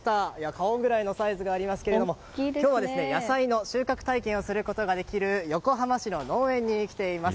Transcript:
顔ぐらいのサイズがありますが今日は、野菜の収穫体験をすることができる横浜市の農園に来ています。